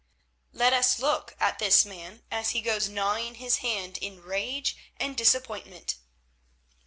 Let us look at this man as he goes gnawing his hand in rage and disappointment.